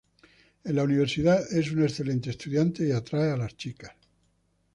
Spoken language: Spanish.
En la Universidad es un excelente estudiante y atrae a las chicas.